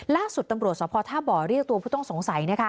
ล่าสุดตำรวจสภท่าบ่อเรียกตัวผู้ต้องสงสัย